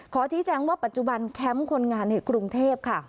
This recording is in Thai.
ชี้แจงว่าปัจจุบันแคมป์คนงานในกรุงเทพค่ะ